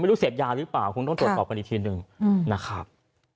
เสพยาหรือเปล่าคงต้องตรวจสอบกันอีกทีหนึ่งนะครับ